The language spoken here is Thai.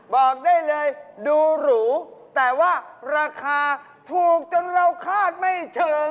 บอกได้เลยดูหรูแต่ว่าราคาถูกจนเราคาดไม่เชิง